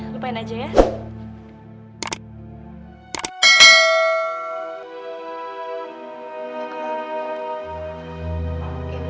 lupain aja ya